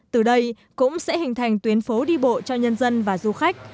từ đây cũng sẽ hình thành tuyến phố đi bộ cho nhân dân và du khách